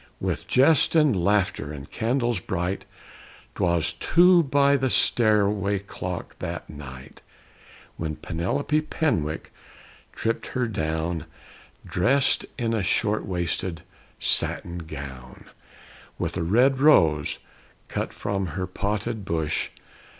_" With jest and laughter and candles bright, 'Twas two by the stairway clock that night, When Penelope Penwick tripped her down, Dressed in a short waisted satin gown, With a red rose (cut from her potted bush).